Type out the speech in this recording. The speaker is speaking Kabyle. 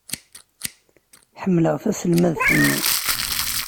Ḥemmleɣ taselmadt-nni.